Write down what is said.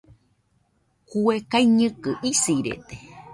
Kue kaiñɨkɨ isirede